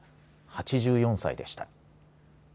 ８４歳でした。